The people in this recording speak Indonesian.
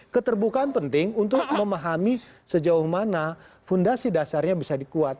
keterbukaan penting untuk memahami sejauh mana fundasi dasarnya bisa dikuat